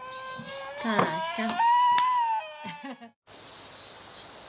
母ちゃん」。